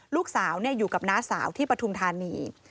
ลูกสาวอยู่กับน้าสาวที่ปฐุมธานี